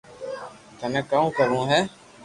ٿني ڪاو ڪروو ھي